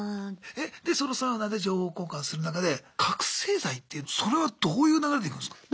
でそのサウナで情報交換する中で覚醒剤ってそれはどういう流れでいくんすか？